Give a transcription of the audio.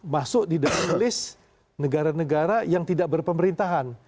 masuk di dalam list negara negara yang tidak berpemerintahan